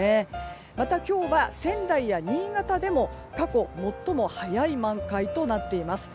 また今日は、仙台や新潟でも過去最も早い満開となっています。